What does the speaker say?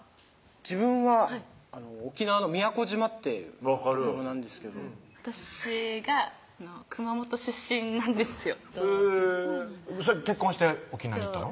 自分は沖縄の宮古島っていうとこなんですけど私が熊本出身なんですよへぇ結婚して沖縄に行ったの？